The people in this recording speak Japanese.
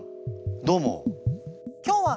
どうも。